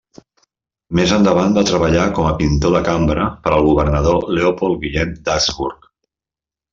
Més endavant va treballar com a pintor de cambra per al governador Leopold Guillem d'Habsburg.